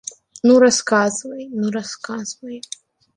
Ну, расказвай, ну, расказвай.